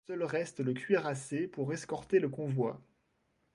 Seul reste le cuirassé pour escorter le convoi.